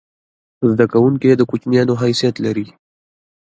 زده کوونکی د کوچنیانو حیثیت لري.